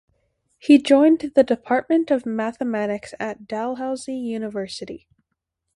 He joined the Department of Mathematics at Dalhousie University.